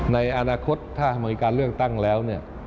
ในอนาคตถ้าอเมริกาเลือกตั้งแล้ว